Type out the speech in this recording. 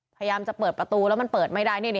พยายามจะเปิดประตูแล้วมันเปิดไม่ได้